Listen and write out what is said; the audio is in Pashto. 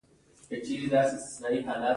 پښتو د سيمې يوه له بډايه او پرمختللو ژبو څخه ده.